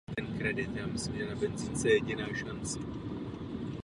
Každé řešení je precedentem.